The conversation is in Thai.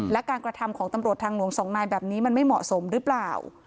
และการกระทำของตำรวจทางหลวงสองนายแบบนี้มันไม่เหมาะสมหรือเปล่า